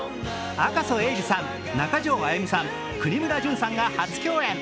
赤楚衛二さん、中条あやみさん、國村隼さんが初共演。